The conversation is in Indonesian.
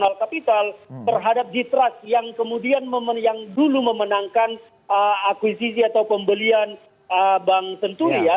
national capital terhadap jitrust yang kemudian yang dulu memenangkan akuisisi atau pembelian bank tentu ya